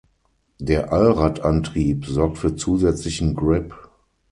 Der Allradantrieb sorgt für zusätzlichen Grip.